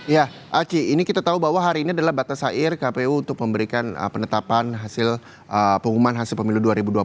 ya aki ini kita tahu bahwa hari ini adalah batas akhir kpu untuk memberikan penetapan hasil pengumuman hasil pemilu dua ribu dua puluh empat